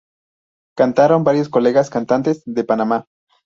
Cantaron varios colegas cantantes de Panamá.